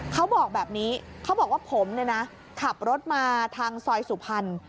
เขาบอกแบบนี้เขาบอกว่าผมเนี่ยนะขับรถมาทางซอยสุพรรณ